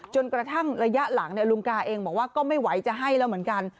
จนกระทั่งระยะหลังลุงกาเองบอกว่าก็ไม่ไหวจะให้แล้วเหมือนกัน